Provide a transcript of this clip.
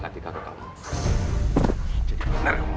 saya sudah bisa jauh jauhkan n fro hymen